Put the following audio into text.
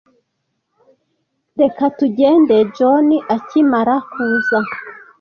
Reka tugende John akimara kuza.